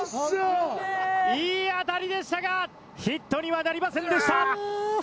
いい当たりでしたがヒットにはなりませんでした。